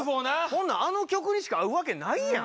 あの曲にしか合うわけないやん。